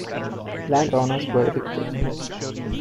Land owners were evicted.